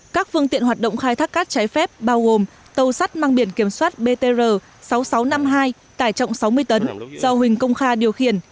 các phương tiện hoạt động khai thác cát trái phép bao gồm tàu sắt mang biển kiểm soát btr sáu nghìn sáu trăm năm mươi hai tải trọng sáu mươi tấn do huỳnh công kha điều khiển